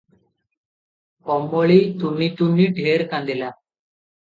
କମଳୀ ତୁନି ତୁନି ଢେର କାନ୍ଦିଲା ।